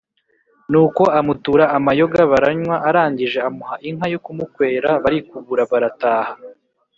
Nuko amutura amayoga, baranywa, arangije amuha inka yo kumukwera, barikubura barataha.